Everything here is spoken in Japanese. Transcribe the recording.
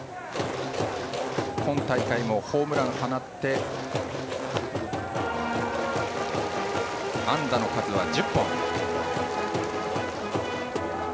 今大会もホームランを放って安打の数は１０本。